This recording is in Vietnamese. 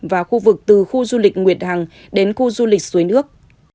và khu vực từ khu du lịch nguyệt hằng đến khu du lịch suối nước